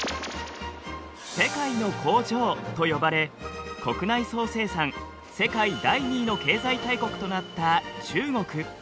世界の工場と呼ばれ国内総生産世界第２位の経済大国となった中国。